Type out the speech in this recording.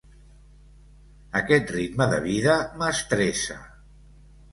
Aquest ritme de vida m'estressa.